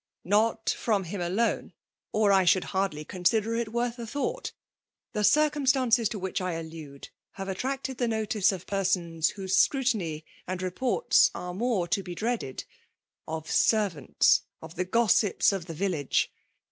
'* Not firom him alone.; or I should haard^ consider it worth a thought The fd^iim* stances to which I allude ha^e attracted the notice of persons whose scrutiny and repeats, are more to be dreaded — of servants — of the gossips of the village.